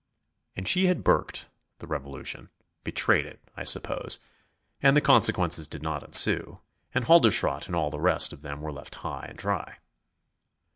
And she had burked the revolution betrayed it, I suppose and the consequences did not ensue, and Halderschrodt and all the rest of them were left high and dry.